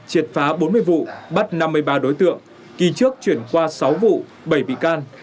triệt phá bốn mươi vụ bắt năm mươi ba đối tượng kỳ trước chuyển qua sáu vụ bảy bị can